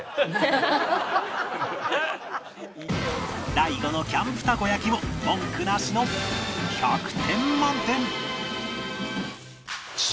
大悟のキャンプたこ焼きも文句なしの１００点満点！